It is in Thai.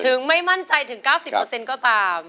ถึงไม่มั่นใจถึง๙๐เปอร์เซ็นต์ก็ตาม